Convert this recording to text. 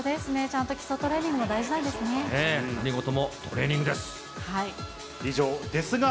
ちゃんと基礎トレーニングも大事なんですね。